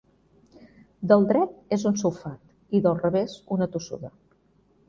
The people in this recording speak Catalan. Del dret és un sulfat i del revés una tossuda.